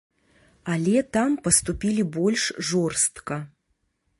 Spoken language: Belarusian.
Але там паступілі больш жорстка.